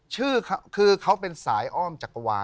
ชื่อคือเขาเป็นสายอ้อมจักรวาล